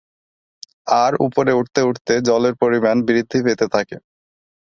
আর উপরে উঠতে উঠতে জলের পরিমাণ বৃদ্ধি পেতে থাকে।